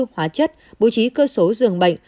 hóa chất bố trí cơ số dường bệnh